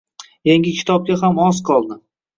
Yangi kitobga ham oz qoldi.